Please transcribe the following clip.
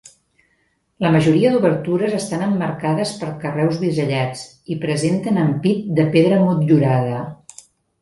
La majoria d'obertures estan emmarcades per carreus bisellats i presenten ampit de pedra motllurada.